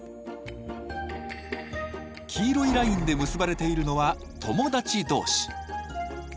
黄色いラインで結ばれているのは友達同士。